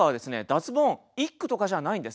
脱ボン１句とかじゃないんです。